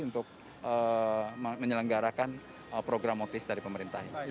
untuk menyelenggarakan program motis dari pemerintah ini